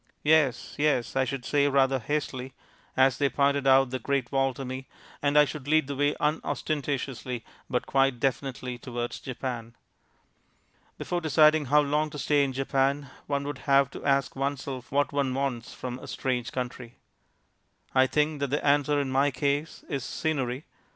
"Yes, yes," I should say rather hastily, as they pointed out the Great Wall to me, and I should lead the way unostentatiously but quite definitely towards Japan. Before deciding how long to stay in Japan, one would have to ask oneself what one wants from a strange country. I think that the answer in my case is "Scenery."